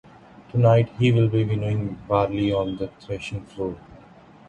Tonight he will be winnowing barley on the threshing floor.